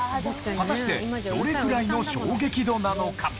果たしてどれくらいの衝撃度なのか？